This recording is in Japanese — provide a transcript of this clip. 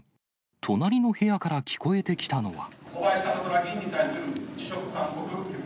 隣の部屋から聞こえてきたのは。